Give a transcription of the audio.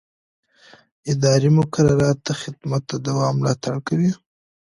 اداري مقررات د خدمت د دوام ملاتړ کوي.